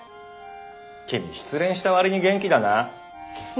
君失恋したわりに元気だなァ。